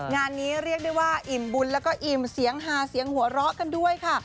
งานนี้เรียกได้ว่าอิ่มบุญแล้วก็อิ่มเสียงฮาเสียงหัวเราะกันด้วยค่ะ